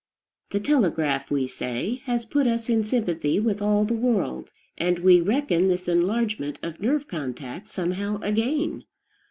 The telegraph, we say, has put us in sympathy with all the world. And we reckon this enlargement of nerve contact somehow a gain.